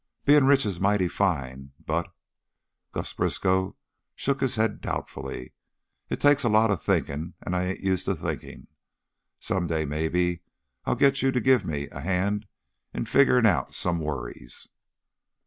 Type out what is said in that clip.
"Bein' rich is mighty fine, but " Gus Briskow shook his head doubtfully. "It takes a lot of thinkin', and I ain't used to thinkin'. Some day, mebbe, I'll get you to give me a hand in figgerin' out some worries."